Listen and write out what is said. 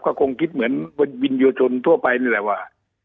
ก็คงคิดเหมือนวินโยชนทั่วไปนี่แหละว่า